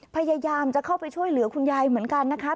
พยายามจะเข้าไปช่วยเหลือคุณยายเหมือนกันนะคะ